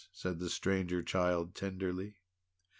said the Stranger Child tenderly.